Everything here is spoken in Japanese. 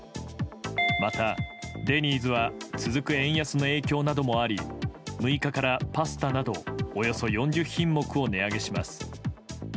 また、デニーズは続く円安の影響などもあり６日からパスタなどおよそ４０品目を値上げします。